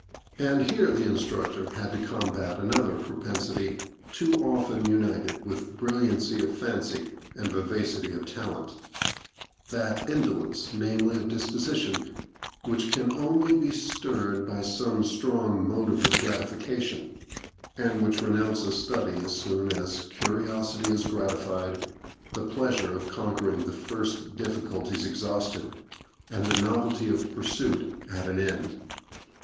And here the instructor had to combat another propensity too often united with brilliancy of fancy and vivacity of talent that indolence, namely, of disposition, which can only be stirred by some strong motive of gratification, and which renounces study as soon as curiosity is gratified, the pleasure of conquering the first difficulties exhausted, and the novelty of pursuit at an end.